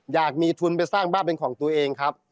อยากมีทุนไปสร้างบ้านเป็นของตัวเองครับ